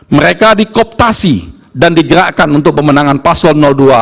mereka dikooptasi dan digerakkan untuk pemenangan paslon dua